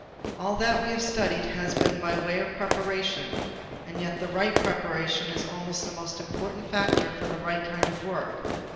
All that we have studied has been by way of preparation; and yet the right preparation is almost the most important factor for the right kind of work.